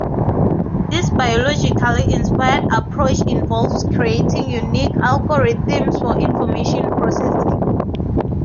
This biologically inspired approach involves creating unique algorithms for information processing.